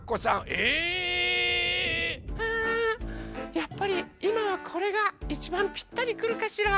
やっぱりいまはこれがいちばんぴったりくるかしら？